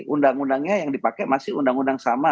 undang undangnya yang dipakai masih undang undang sama